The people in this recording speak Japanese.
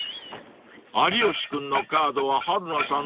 ［有吉君のカードは春菜さん